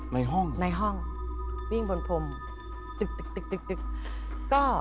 ในห้องในห้องวิ่งบนพรมตึกตึกก็